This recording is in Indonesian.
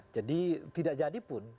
jadi tidak jadi pun